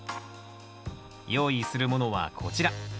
用意するものはこちら。